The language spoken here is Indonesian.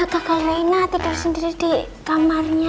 kakal reina tidur sendiri di kamarnya